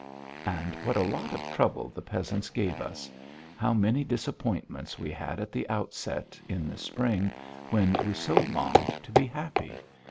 And what a lot of trouble the peasants gave us! How many disappointments we had at the outset, in the spring, when we so longed to be happy!